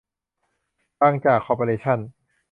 บางจาก คอร์ปอเรชั่น